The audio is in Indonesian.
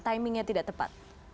timingnya tidak tepat